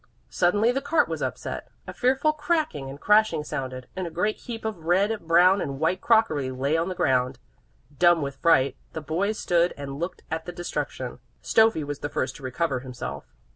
Suddenly the cart was upset. A fearful cracking and crashing sounded, and a great heap of red, brown and white crockery lay on the ground. Dumb with fright, the boys stood and looked at the destruction. Stöffi was the first to recover himself.